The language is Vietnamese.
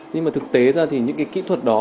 nhưng mà thực tế ra thì những cái kỹ thuật đó